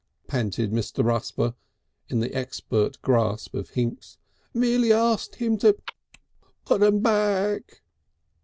panted Mr. Rusper in the expert grasp of Hinks. "Merely asked him to (kik) puttem all back."